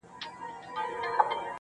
د علومو د تناسب په اړه لیکي